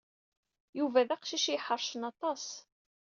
Yuba d aqcic i yiḥercen aṭas.